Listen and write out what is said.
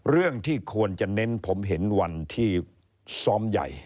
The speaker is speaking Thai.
เรื่องที่ควรจะเน้นผมเห็นวันที่ซ้อมใหญ่